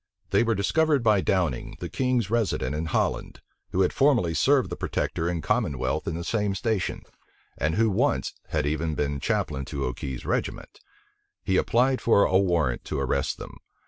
They were discovered by Downing, the king's resident in Holland, who had formerly served the protector and commonwealth in the same station, and who once had even been chaplain to Okey's regiment. He applied for a warrant to arrest them.